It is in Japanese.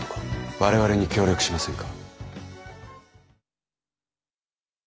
我々に協力しませんか？